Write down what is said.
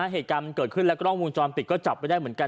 เหตุการณ์มันเกิดขึ้นและกล้องวงจรปิดก็จับไว้ได้เหมือนกัน